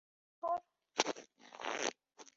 কষ্ট হয় না তোর?